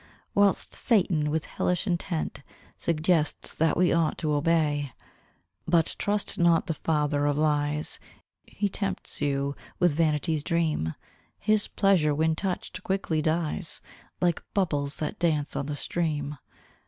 Whilst Satan, with hellish intent, Suggests that we ought to obey. But trust not the father of lies, He tempts you with vanity's dream; His pleasure, when touched, quickly dies, Like bubbles that dance on the stream.